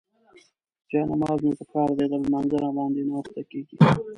جاینماز مې پکار دی، د لمانځه راباندې ناوخته کيږي.